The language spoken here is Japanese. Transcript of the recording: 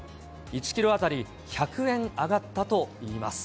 １キロ当たり１００円上がったといいます。